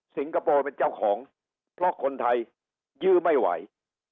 คโปร์เป็นเจ้าของเพราะคนไทยยื้อไม่ไหว